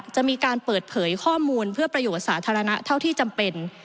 จะมีการเปิดเผยข้อมูลเพื่อประโยชน์สาธารณะเท่าที่จำเป็น